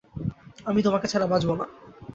আমি তোমাকে ছাড়া বাঁচব না।